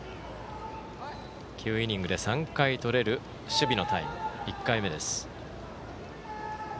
９イニングで３回とれる守備のタイム、１回目です。